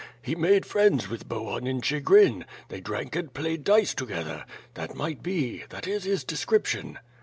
He made friends with Bohun in Chigrin, they drank and played dice together. That might be. That is his description."